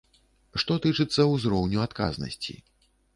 Што тычыцца ўзроўню адказнасці.